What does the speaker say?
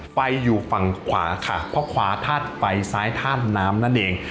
ไฟอยู่ฝั่งขวาค่ะเพราะขวาธาตุไฟซ้ายธาตุน้ำนั่นเอง